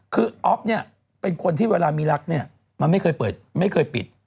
คืออ๊อฟเนี่ยเป็นคนที่เวลามีรักเนี่ยมันไม่เคยเปิดไม่เคยปิด